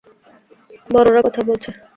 বড়রা কথা বলছে।